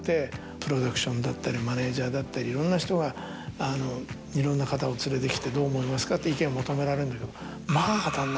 プロダクションだったりマネージャーだったりいろんな人がいろんな方を連れてきて「どう思いますか？」って意見求められるんだけどまぁ。